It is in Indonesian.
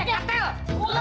eh eh katel